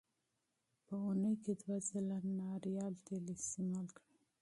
په اونۍ کې دوه ځله ناریال تېل استعمال کړئ.